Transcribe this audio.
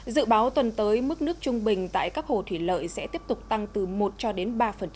dự báo tuần tới mức nước trung bình tại các hồ thủy lợi sẽ tiếp tục tăng từ một cho đến ba